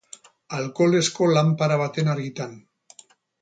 Alkoholezko lanpara baten argitan.